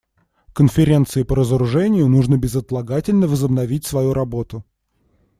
Конференции по разоружению нужно безотлагательно возобновить свою работу.